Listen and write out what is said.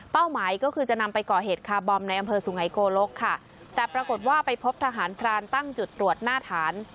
หมายก็คือจะนำไปก่อเหตุคาร์บอมในอำเภอสุไงโกลกค่ะแต่ปรากฏว่าไปพบทหารพรานตั้งจุดตรวจหน้าฐาน